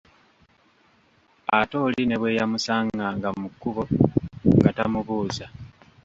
Ate oli ne bwe yamusanganga mu kkubo, nga tamubuuza.